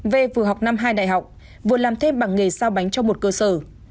v vừa học năm hai đại học vừa làm thêm bằng nghề sao bánh cho một cơ sở